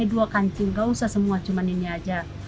gak usah semua cuma ini aja